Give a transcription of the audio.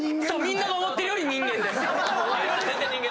みんなが思ってるより人間です。